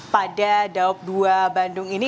pada dapdua bandung ini